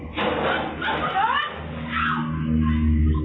ลำเงียด